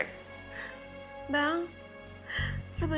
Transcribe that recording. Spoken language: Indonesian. nasat rumah bukannya salamualaikum